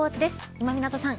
今湊さん